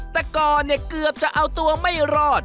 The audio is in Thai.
แต่ก่อนเนี่ยเกือบจะเอาตัวไม่รอด